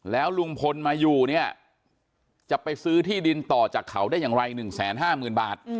แล้วลุงพลมาอยู่เนี่ยจะไปซื้อที่ดินต่อจากเขาได้อย่างไร๑๕๐๐๐บาท